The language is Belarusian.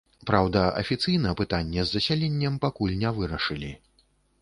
Праўда, афіцыйна пытанне з засяленнем пакуль не вырашылі.